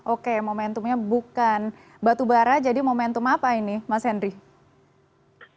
oke momentumnya bukan batubara jadi momentum apa ini mas henry